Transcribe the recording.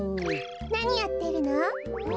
なにやってるの？